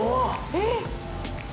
えっ！